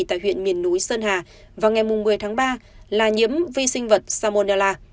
tại huyện miền núi sơn hà vào ngày một mươi tháng ba là nhiễm vi sinh vật samonella